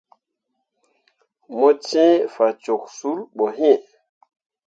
Mo cẽe fah cok sul ɓo iŋ.